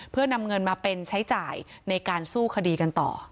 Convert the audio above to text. เพื่อนำเงินมาเป็นใช้จ่ายในการสู้คดีกันต่อ